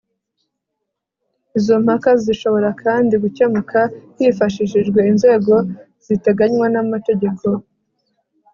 izo mpaka zishobora kandi gukemuka hifashishijwe inzego ziteganywa n'amategeko